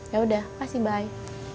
ya udah pasti bye